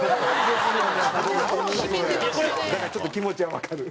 だからちょっと気持ちはわかる。